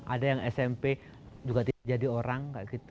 ada yang smp juga tidak jadi orang